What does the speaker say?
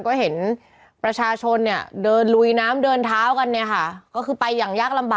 ก็เห็นประชาชนเนี่ยเดินลุยน้ำเดินเท้ากันเนี่ยค่ะ